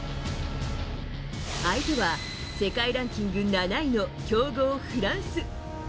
相手は世界ランキング７位の強豪フランス。